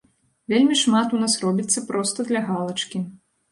Вельмі шмат у нас робіцца проста для галачкі.